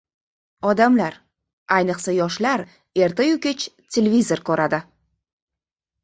Odamlar, ayniqsa, yoshlar ertayu kech televizor ko‘radi.